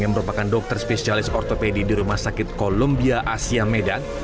yang merupakan dokter spesialis ortopedi di rumah sakit columbia asia medan